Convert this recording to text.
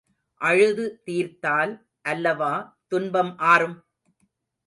அழுது தீர்த்தால் அல்லவா துன்பம் ஆறும்?